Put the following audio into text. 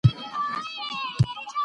څېړونکو څو کسان د جینونو لپاره وڅېړل.